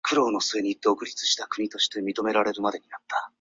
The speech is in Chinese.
白石塔，白石搭。白石搭白塔，白塔白石搭